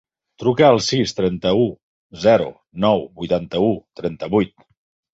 Truca al sis, trenta-u, zero, nou, vuitanta-u, trenta-vuit.